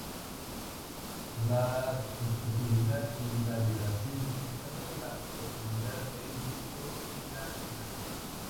La subjetividad y la liberación están en la posibilidad del grito y la negación.